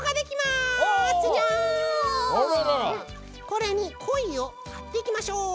これにコイをはっていきましょう。